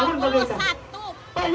yang saya melihat adalah anak diri saya